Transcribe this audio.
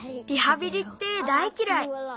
リハビリって大きらい。